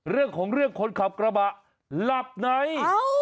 เรื่องของเรื่องคนขับกระบะหลับใน